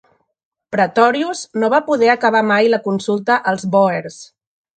Pretorius no va poder acabar mai la consulta als bòers.